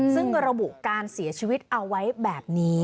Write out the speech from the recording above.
ซึ่งระบุการเสียชีวิตเอาไว้แบบนี้